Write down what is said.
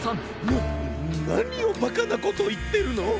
ななにをバカなこといってるの！